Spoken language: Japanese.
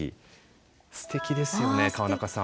すてきですよね川中さん。